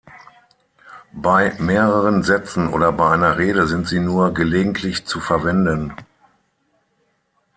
Bei mehreren Sätzen oder bei einer Rede sind sie nur gelegentlich zu verwenden.